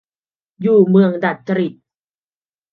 อยู่เมืองดัดจริต